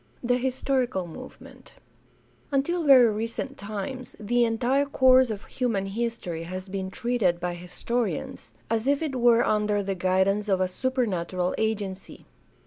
IV. THE HISTORICAL MOVEMENT Until very recent times the entire course of human his tory has been treated by historians as if it were under the guidance of a supernatural agency.